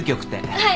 はい。